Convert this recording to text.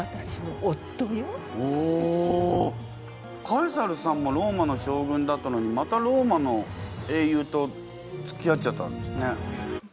カエサルさんもローマの将軍だったのにまたローマの英雄とつきあっちゃったんですね？